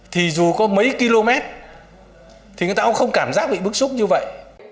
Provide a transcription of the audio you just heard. thì dù có mấy km thì người ta cũng không cảm giác bị bức xúc như vậy